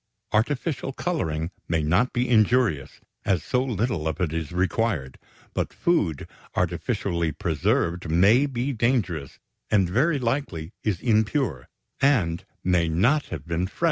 Artificial coloring may not be injurious, as so little of it is required, but food artificially preserved may be dangerous, and very likely is impure, and may not have been fresh when canned.